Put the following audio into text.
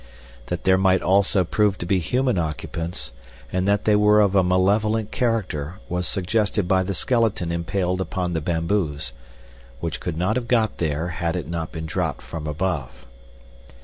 That there might also prove to be human occupants and that they were of a malevolent character was suggested by the skeleton impaled upon the bamboos, which could not have got there had it not been dropped from above.